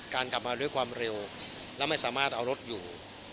กลับมาด้วยความเร็วและไม่สามารถเอารถอยู่